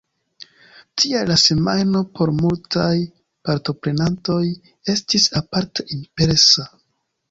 Tial la semajno por multaj partoprenantoj estis aparte impresa.